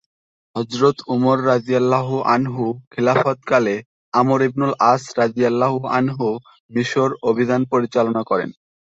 হযরত Umar রা খিলাফতকালে Amr ইবনুল আস রা মিসর অভিযান পরিচালনা করেন।